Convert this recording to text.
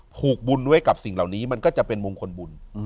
ผูกบุญไว้กับสิ่งเหล่านี้มันก็จะเป็นมงคลบุญ